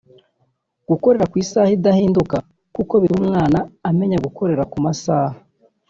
Gukorera ku isaha idahinduka kuko bituma umwana amenyera gukorera ku masaha